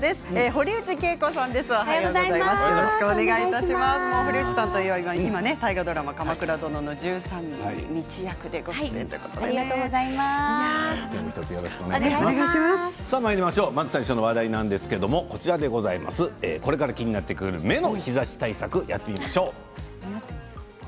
堀内さんといえば今、大河ドラマ「鎌倉殿の１３人」最初の話題ですがこれから気になってくる目の日ざし対策やっていきましょう。